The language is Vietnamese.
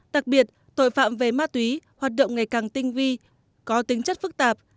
đặc biệt tội phạm về ma túy hoạt động ngày càng tinh vi có tính chất phức tạp